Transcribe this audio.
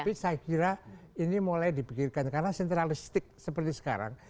tapi saya kira ini mulai dipikirkan karena sentralistik seperti sekarang